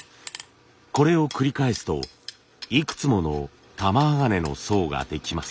これを繰り返すといくつもの玉鋼の層ができます。